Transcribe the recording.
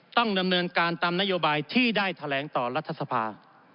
ต้องดำเนินการตามนโยบายที่ได้แถลงต่อรัฐสภา